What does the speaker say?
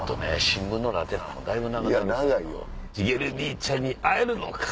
「しげる兄ちゃんに会えるのか⁉」。